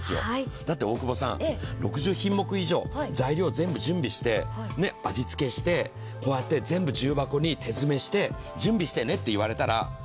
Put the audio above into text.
だって、６０品目以上、材料全部準備して味付けして、こうやって全部重箱に手詰めして準備してねって言われたら？